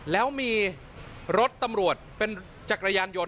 แล้วมีรถตำรวจเป็นจักรยานยนต